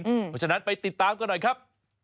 เพราะฉะนั้นไปติดตามกันหน่อยครับ